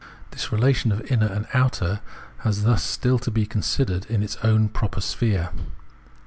This relation of inner and outer has thus still to be considered in its own proper sphere.